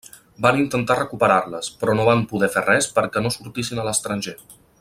Van intentar recuperar-les, però no van poder fer res perquè no sortissin a l’estranger.